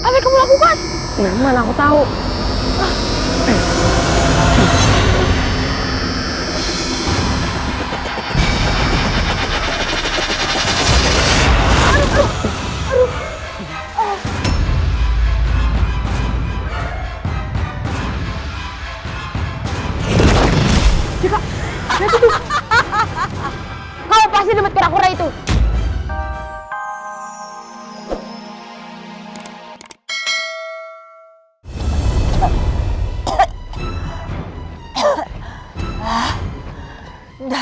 sampai jumpa di video selanjutnya